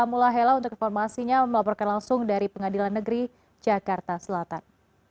mula hela untuk informasinya melaporkan langsung dari pengadilan negeri jakarta selatan